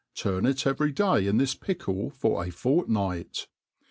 (urn it every day in thi< pickle for a fortnight.